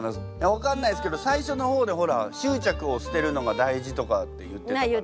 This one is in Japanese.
分かんないですけど最初の方でほら執着を捨てるのが大事とかって言ってたから。